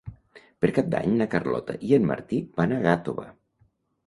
Per Cap d'Any na Carlota i en Martí van a Gàtova.